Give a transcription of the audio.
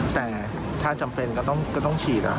แต่ถ้าจำเป็นก็ต้องฉีด